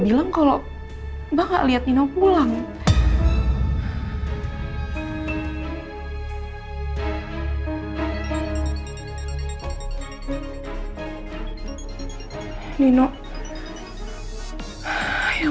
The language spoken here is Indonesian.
nino kan di rumah